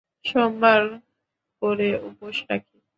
সোমবার করে উপোষ রাখি।